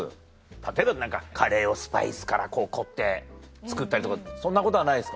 例えば何かカレーをスパイスから凝って作ったりとかそんなことはないですか？